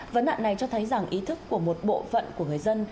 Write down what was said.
vấn nạn này cho thấy rằng ý thức của một bộ phận của người dân